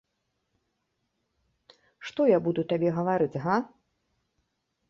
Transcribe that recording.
Што я буду табе гаварыць, га?